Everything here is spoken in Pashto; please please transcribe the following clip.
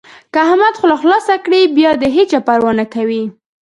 که احمد خوله خلاصه کړي؛ بيا د هيچا پروا نه کوي.